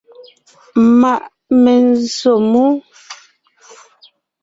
Ma’ menzsǒ mú.